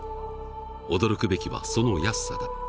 驚くべきはその安さだ。